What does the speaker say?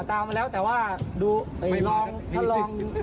ตามมาแล้วแต่ว่าดูท่านลอง